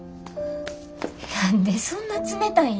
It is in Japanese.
何でそんな冷たいんよ。